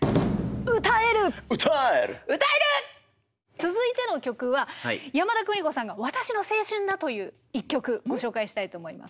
続いての曲は山田邦子さんが私の青春だという１曲ご紹介したいと思います。